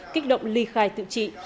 kích động ly khai tự trị